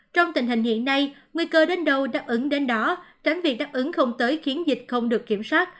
trong tình hình hiện nay nguy cơ đến đâu đáp ứng đến đó tránh việc đáp ứng không tới khiến dịch không được kiểm soát